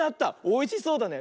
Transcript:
おいしそうだね。